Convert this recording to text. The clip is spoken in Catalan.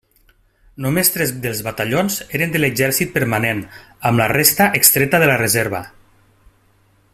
Només tres dels batallons eren de l'exèrcit permanent, amb la resta extreta de la reserva.